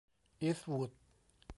อีสต์วูด